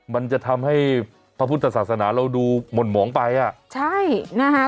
มันจะทำให้พระพุทธศาสนาเราดูหม่นหมองไปอ่ะใช่นะฮะ